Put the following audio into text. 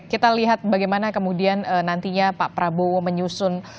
kita lihat bagaimana kemudian nantinya pak prabowo menyusun